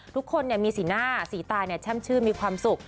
ทุกคนมีสีหน้าสีตาแช่มชื่นมีความสุข